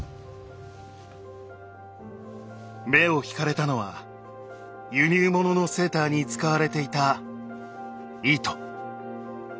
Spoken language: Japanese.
目を引かれたのは輸入物のセーターに使われていた糸。